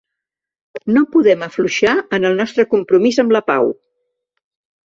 No podem afluixar en el nostre compromís amb la pau.